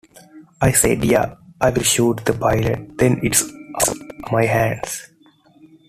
I said, yeah, I'll shoot the pilot, then it's out of my hands.